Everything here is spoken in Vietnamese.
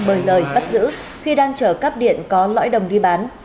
bời lời bắt giữ khi đang chở cắp điện có lõi đồng đi bán